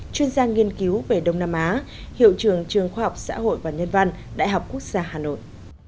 chuyên gia nghiên cứu về đông nam á hiệu trường trường khoa học xã hội và nhân văn đại học quốc gia hà nội